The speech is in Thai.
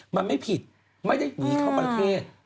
มันไม่ผิดไม่ได้หนีเข้าประเทศ